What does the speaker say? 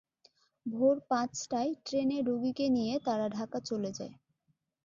ভোয় পাঁচটার ট্রেনে রুগীকে নিয়ে তারা ঢাকা চলে যায়।